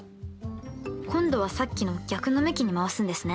今度はさっきの逆の向きに回すんですね。